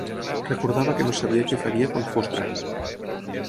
Recordava que no sabia què faria quan fos gran.